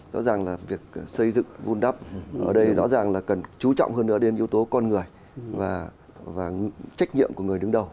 rõ ràng là việc xây dựng vun đắp ở đây rõ ràng là cần chú trọng hơn nữa đến yếu tố con người và trách nhiệm của người đứng đầu